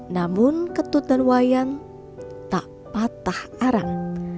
namun ketut dan wayan tak patah arang